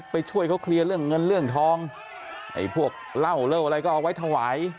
ช่วยเขาเคลียร์เรื่องเงินเรื่องทองไอ้พวกเหล้าเลิกอะไรก็เอาไว้ถวาย